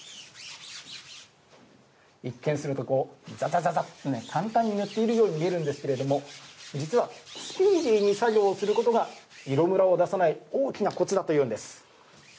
一見すると、ザザザッとね簡単に塗っているように見えるんですけれども実はスピーディーに作業することが色むらを出さない大きなコツだというんです。